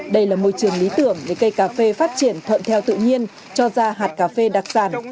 đây là môi trường lý tưởng để cây cà phê phát triển thuận theo tự nhiên cho ra hạt cà phê đặc sản